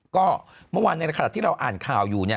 ก็เมื่อวานในขณะที่เราอ่านข่าวอยู่